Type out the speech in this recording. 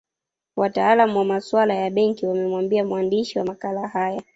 Wataalamu wa masuala ya benki wamemwambia mwandishi wa makala haya